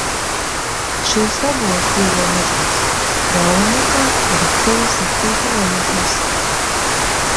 Šīs vaboles dzīvo mežos, galvenokārt ir aktīvas, naktij tuvojoties.